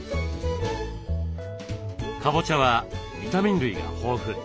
かぼちゃはビタミン類が豊富。